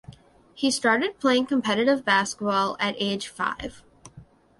He started playing competitive basketball at age five.